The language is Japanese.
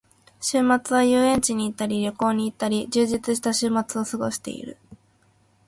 週末は遊園地に行ったり旅行に行ったり、充実した週末を過ごしている。